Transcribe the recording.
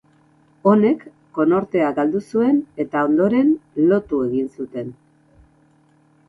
Honek konortea galdu zuen eta ondoren, lotu egin zuten.